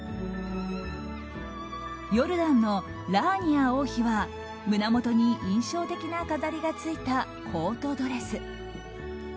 ヨルダンのラーニア王妃は胸元に印象的な飾りがついたコートドレス。